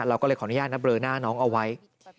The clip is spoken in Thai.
เราก็เลยขออนุญาตนะเบลอหน้าน้องเอาไว้